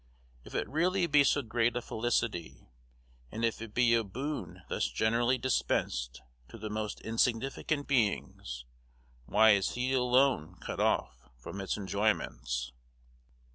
If it really be so great a felicity, and if it be a boon thus generally dispensed to the most insignificant beings, why is he alone cut off from its enjoyments?